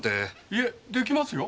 いえできますよ。